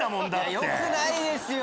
よくないですよ！